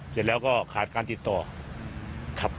เสร็จแล้วก็ขาดการติดต่อครับ